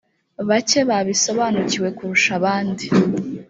bake babisobanukiwe kurusha abandi